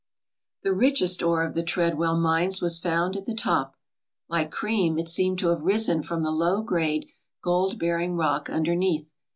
The richest ore of the Treadwell mines was found at the top. Like cream, it seemed to have risen froni the low grade gold bearing rock underneath.